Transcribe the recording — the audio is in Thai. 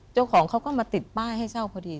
เจ้าของเขาก็มาติดป้ายให้เช่าพอดี